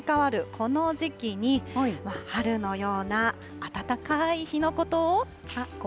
この時期に、春のような暖かい日のことを。